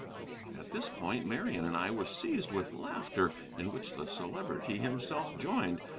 At this point Marian and I were seized with laughter, in which the Celebrity himself joined.